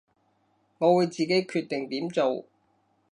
我會自己決定點做